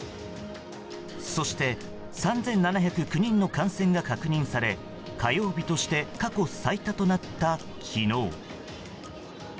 そして、３７０９人の感染が確認され、火曜日として過去最多となった昨日。